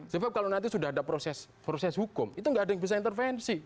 sebab kalau nanti sudah ada proses hukum itu nggak ada yang bisa intervensi